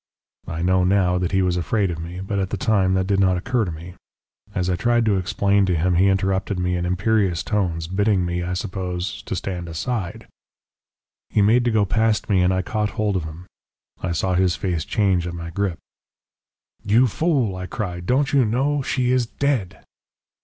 "I know now that he was afraid of me, but at the time that did not occur to me. As I tried to explain to him he interrupted me in imperious tones, bidding me, I suppose, stand aside. "He made to go past me, And I caught hold of him. "I saw his face change at my grip. "'You fool,' I cried. 'Don't you know? She is dead!'